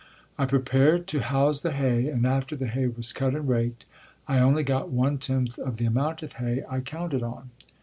I prepared to house the hay and after the hay was cut and raked, I only got one tenth of the amount of hay I counted on.